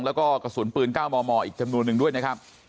แล้วก็กระสุนปืน๙มมอีกจำนวนหนึ่งด้วยนะครับ